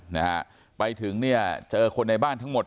นะฮะไปถึงเนี่ยเจอคนในบ้านทั้งหมด